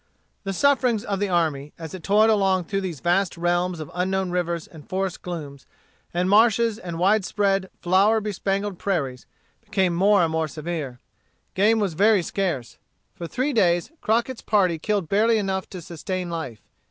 The sufferings of the army, as it toiled along through these vast realms of unknown rivers and forest glooms, and marshes and wide spread, flower bespangled prairies, became more and more severe. Game was very scarce. For three days, Crockett's party killed barely enough to sustain life.